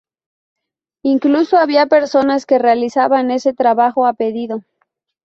Incluso había personas que realizaban ese trabajo a pedido.